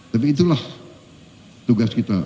tapi itulah tugas kita